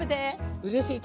うれしい。